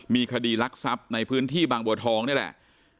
มีคดีรักทรัพย์ในพื้นที่บางบัวทองนี่แหละ